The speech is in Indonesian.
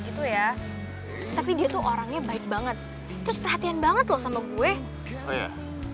gitu ya tapi dia tuh orangnya baik banget terus perhatian banget loh sama gue